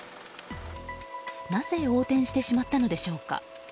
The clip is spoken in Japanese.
なぜ横転してしまったのでしょうか。